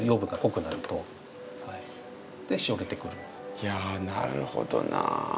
いやなるほどなぁ。